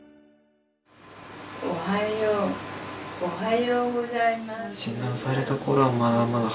おはようおはようございます。